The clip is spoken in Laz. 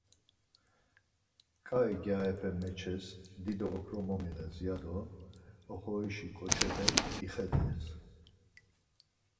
Ǩai gyarepe meçes, Dido okro momiğes. ya do oxoriş ǩoçepek ixelez.